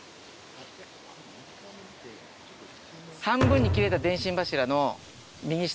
半分に切れた電信柱の右下